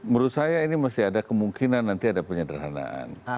menurut saya ini masih ada kemungkinan nanti ada penyederhanaan